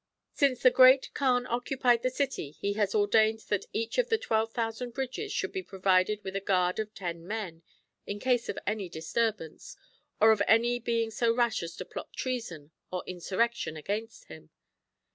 Since the Great Kaan occupied the city he has ordained that each of the 12,000 bridges should be provided with a guard of ten men, in case of any disturbance, or of any being so rash as to plot treason or insurrection against him.